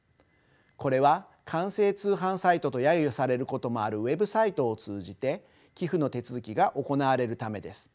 これは「官製通販サイト」とやゆされることもあるウェブサイトを通じて寄付の手続きが行われるためです。